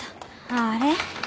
あああれ？